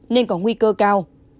nên có nguy cơ cao